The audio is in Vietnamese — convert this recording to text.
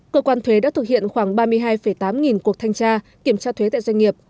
cơ quan thuế đã thực hiện khoảng ba mươi hai tám nghìn cuộc thanh tra kiểm tra thuế tại doanh nghiệp